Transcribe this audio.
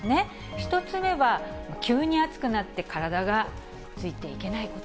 １つ目は、急に暑くなって体がついていけないこと。